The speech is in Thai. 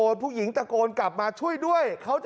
ทำไมคงคืนเขาว่าทำไมคงคืนเขาว่า